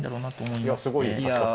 いやすごい。